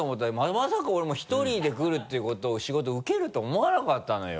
まさか俺も１人で来るっていうことを仕事受けると思わなかったのよ。